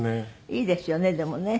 いいですよねでもね。